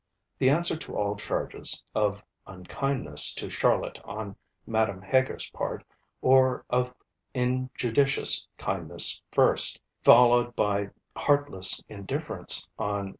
The answer to all charges, of unkindness to Charlotte on Madame Heger's part, or of injudicious kindness first, followed by heartless indifference, on M.